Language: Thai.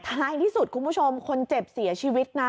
ท้ายที่สุดคุณผู้ชมคนเจ็บเสียชีวิตนะ